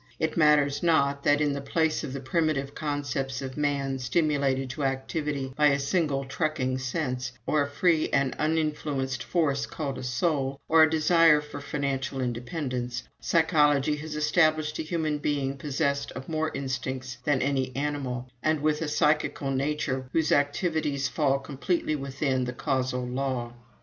It matters not that, in the place of the primitive concepts of man stimulated to activity by a single trucking sense, or a free and uninfluenced force called a soul, or a 'desire for financial independence,' psychology has established a human being possessed of more instincts than any animal, and with a psychical nature whose activities fall completely within the causal law.